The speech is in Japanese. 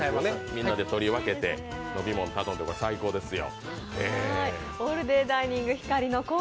みんなで取り分けて、飲み物頼んで、最高ですよ。